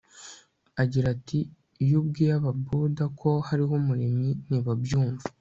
agira ati “ iyo ubwiye ababuda ko hariho umuremyi, ntibabyumva